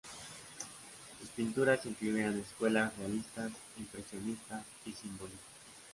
Sus pinturas incluían escuelas realistas, impresionistas y simbolistas.